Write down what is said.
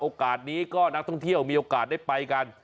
โอกาสนี้ก็นักท่องเที่ยวมีโอกาสได้ไปกัน